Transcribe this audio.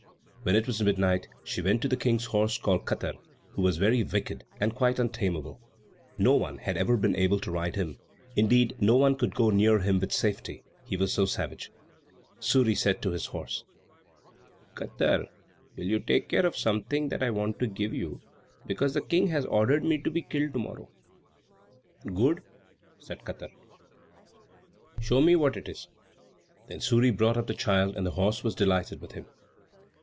When it was midnight, she went to the King's horse called Katar, who was very wicked, and quite untameable. No one had ever been able to ride him; indeed no one could go near him with safety, he was so savage. Suri said to this horse, "Katar, will you take care of something that I want to give you, because the King has ordered me to be killed to morrow?" "Good," said Katar; "show me what it is." Then Suri brought up the child, and the horse was delighted with him.